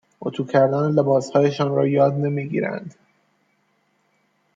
اتو کردن لباسهایشان را یاد نمی گیرند،